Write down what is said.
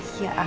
ya ampun om